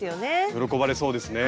喜ばれそうですね。